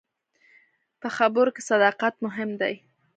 په خبرو کې صداقت مهم دی.